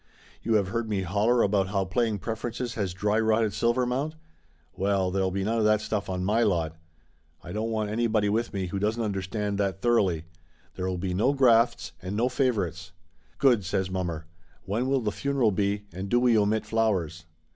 You have heard me holler about how playing preferences has dry rotted Silvermount ? Well, there'll be none of that stuff on my lot ! I don't want anybody with me who doesn't understand that thoroughly. There will be no grafts and no favorites !" "Good!" says mommer. "When will the funeral be, and do we omit flowers?"